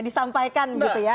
disampaikan gitu ya